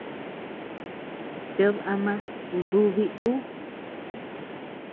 Ted ama kudubi ú.